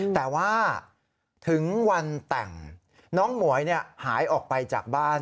แต่ว่าถึงวันแต่งน้องหมวยหายออกไปจากบ้าน